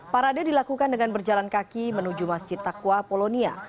parade dilakukan dengan berjalan kaki menuju masjid takwa polonia